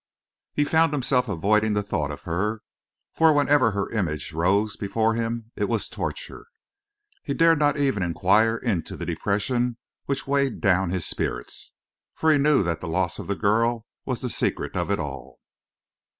He found himself avoiding the thought of her, for whenever her image rose before him it was torture. He dared not even inquire into the depression which weighed down his spirits, for he knew that the loss of the girl was the secret of it all.